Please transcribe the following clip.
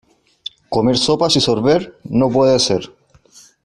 Comer sopas y sorber, no puede ser.